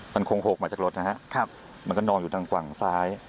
มันคงโหกมาจากรถนะฮะมันก็นอนอยู่ทางฝั่งซ้าย